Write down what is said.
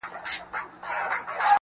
زما د چت درېيم دېوال ته شا ورکوي